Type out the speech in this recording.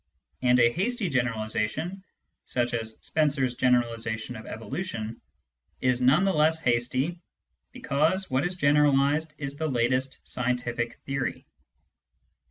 And a hasty generalisation, such as Spencer's generalisation of evolution, is none the less hasty because what is generalised is the latest scientific theory.